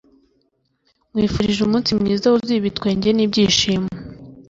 nkwifurije umunsi mwiza wuzuye ibitwenge n'ibyishimo